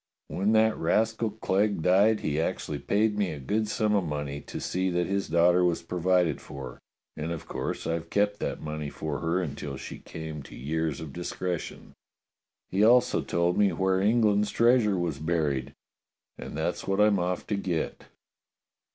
"When that rascal Clegg died he actually paid me a good sum of money to see that his daughter was provided for, and of course I've kept that money for her till she came to years of discretion. He DOCTOR SYN HAS A 'XALL" 229 also told me where England's treasure was buried, and that's what I'm off to get."